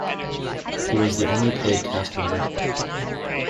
He was the only paid cast member.